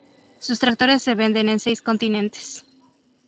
Sus tractores se venden en seis continentes.